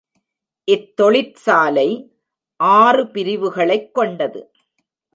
இத்தொழிற்சாலை ஆறு பிரிவுகளைக் கொண்டது.